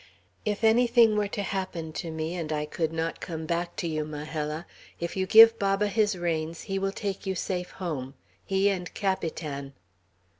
"If anything were to happen to me, and I could not come back to you, Majella, if you give Baba his reins he will take you safe home, he and Capitan."